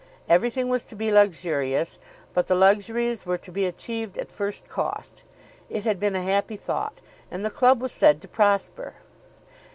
Everything was to be luxurious, but the luxuries were to be achieved at first cost. It had been a happy thought, and the club was said to prosper.